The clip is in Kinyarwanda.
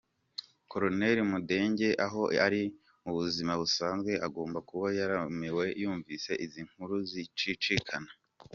Koloneli Mudenge aho ari mu buzima busanzwe agomba kuba yarumiwe yumvise izi nkuru zicicikana!